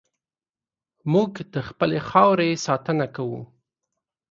موږ د خپلې خاورې ساتنه کوو.